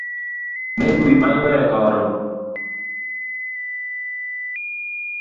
Metuii maywek koron